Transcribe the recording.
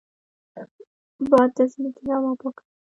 باد د ځمکې هوا پاکوي